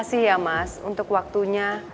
makasih ya mas untuk waktunya